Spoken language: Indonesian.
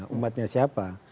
ini umatnya siapa